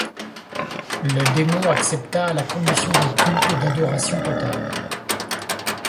Le démon accepta à la condition d'un culte d'adoration totale.